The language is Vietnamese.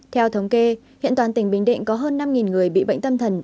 theo thống kê hiện toàn tỉnh bình định có hơn năm người bị bệnh tâm thần